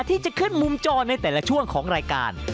ที่จะขึ้นมุมจอในแต่ละช่วงของรายการ